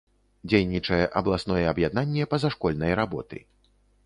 Дзейнічае абласное аб'яднанне пазашкольнай работы.